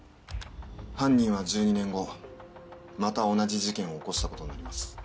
犯人は１２年後また同じ事件を起こした事になります。